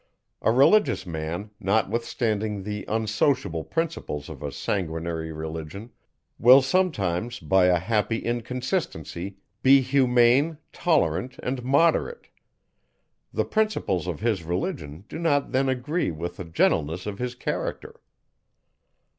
A religious man, notwithstanding the unsociable principles of a sanguinary religion, will sometimes by a happy inconsistency, be humane, tolerant, and moderate; the principles of his religion do not then agree with the gentleness of his character.